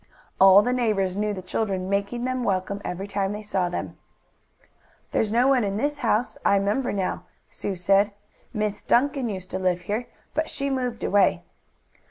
All the neighbors knew the children, making them welcome every time they saw them. "There's no one in this house, I 'member now," Sue said. "Miss Duncan used to live here, but she moved away."